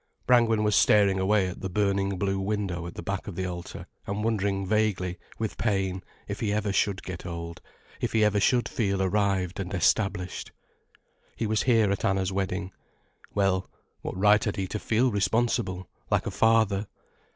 Brangwen was staring away at the burning blue window at the back of the altar, and wondering vaguely, with pain, if he ever should get old, if he ever should feel arrived and established. He was here at Anna's wedding. Well, what right had he to feel responsible, like a father?